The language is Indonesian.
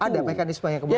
ada mekanisme yang kemudian